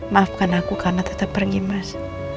maafkan aku karena tetap pergi mas